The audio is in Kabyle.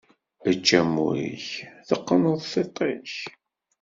Ečč amur-ik, teqqeneḍ tiḍt-ik!